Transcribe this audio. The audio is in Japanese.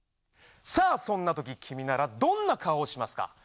さあそんなとききみならどんな顔をしますか？